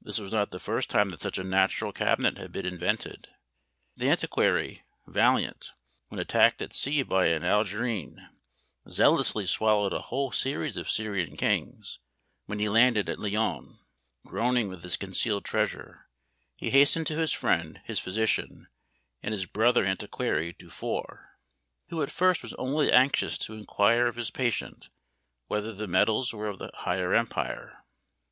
This was not the first time that such a natural cabinet had been invented; the antiquary Vaillant, when attacked at sea by an Algerine, zealously swallowed a whole series of Syrian kings; when he landed at Lyons, groaning with his concealed treasure, he hastened to his friend, his physician, and his brother antiquary Dufour, who at first was only anxious to inquire of his patient, whether the medals were of the higher empire?